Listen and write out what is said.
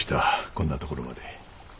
こんなところまで。